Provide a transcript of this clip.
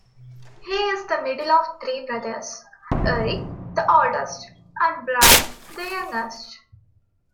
He is the middle of three brothers; Eric, the oldest, and Brian, the youngest.